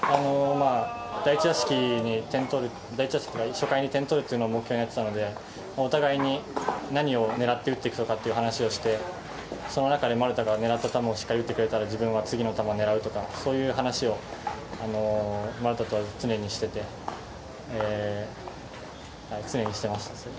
第１打席に点とる、第１打席というか初回に点取るということを目標にやってきたので、お互いに何を狙って打っていくとかっていう話をして、その中で丸田が狙った球を打ってくれたら、自分は次の球狙うとか、そういう話を丸田とは常にしてて、常にしてました。